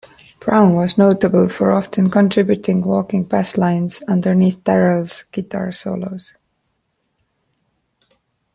Brown was notable for often contributing walking basslines underneath Darrell's guitar solos.